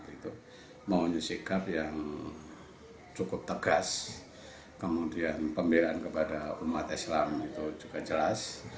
itu mempunyai sikap yang cukup tegas kemudian pembelaan kepada umat islam itu juga jelas